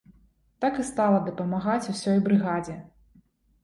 Так і стала дапамагаць усёй брыгадзе.